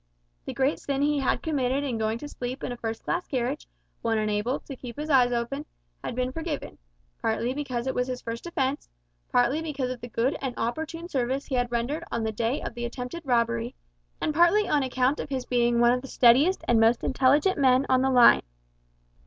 The great sin he had committed in going to sleep in a first class carriage, when unable to keep his eyes open, had been forgiven, partly because it was his first offence, partly because of the good and opportune service he had rendered on the day of the attempted robbery, and partly on account of his being one of the steadiest and most intelligent men on the line.